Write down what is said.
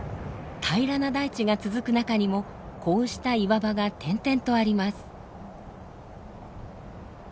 平らな大地が続く中にもこうした岩場が点々とあります。